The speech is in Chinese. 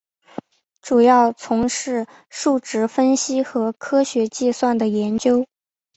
主要从事数值分析和科学计算的研究。